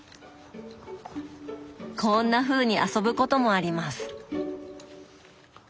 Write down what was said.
こんなふうに遊ぶこともあります。